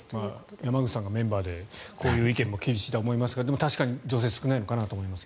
山口さんがメンバーでこういう意見も厳しいとは思いますが確かに女性が少ないなと思います。